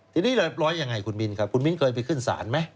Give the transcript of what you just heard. ทีนี้เรียบร้อยยังไงคุณมิ้นครับคุณมิ้นเคยไปขึ้นศาลไหม